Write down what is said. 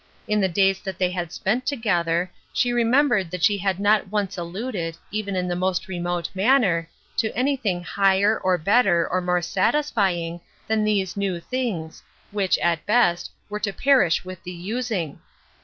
In the days that they had spent together, she remembered that she had not once alluded, even in the most remote manner, to anything higher, or better, or more satisfying, than these new things, which, at best, were to perish with the using.